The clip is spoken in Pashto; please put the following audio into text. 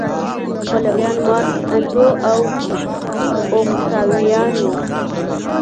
پلویان مارک انتو او اوکتاویان و